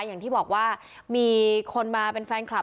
อย่างที่บอกว่ามีคนมาเป็นแฟนคลับ